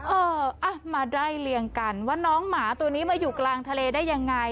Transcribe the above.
เอออ่ะมาไล่เลี่ยงกันว่าน้องหมาตัวนี้มาอยู่กลางทะเลได้ยังไง